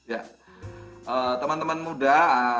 ya teman teman muda